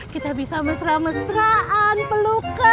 kita bisa mesra mesraan peluka